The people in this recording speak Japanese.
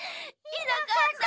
いなかった。